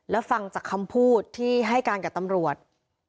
แล้วฟังจากคำพูดที่ให้การกับตำรวจ